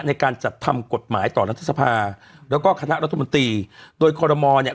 ในการจัดทำกฎหมายต่อรัฐสภาแล้วก็คณะรัฐมนตรีโดยคอรมอลเนี่ย